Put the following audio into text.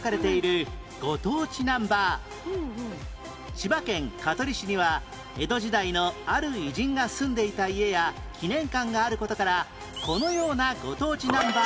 千葉県香取市には江戸時代のある偉人が住んでいた家や記念館がある事からこのようなご当地ナンバーが